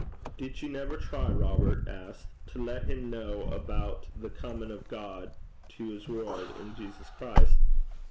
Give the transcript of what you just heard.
'Did ye never try,' Robert asked, 'to lat him ken aboot the comin' o' God to his world in Jesus Christ?'